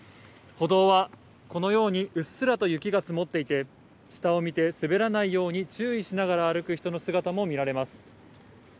歩道はこのようにうっすらと雪が積もっていて、下を見て、滑らないように注意して歩く人の姿も見られます。